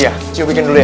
iya cukup bikin dulu ya